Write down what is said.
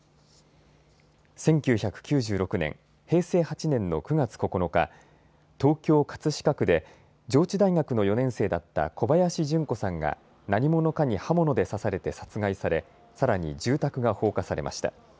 １９９６年、平成８年の９月９日、東京葛飾区で上智大学の４年生だった小林順子さんが何者かに刃物で刺されて殺害されさらに住宅が放火されました。